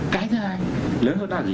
cái thứ hai lớn hơn là gì